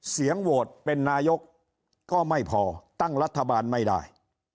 เสียงโหวตเป็นนายกก็ไม่พอตั้งรัฐบาลไม่ได้